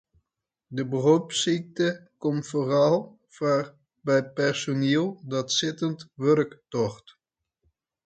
De beropssykte komt foaral foar by personiel dat sittend wurk docht.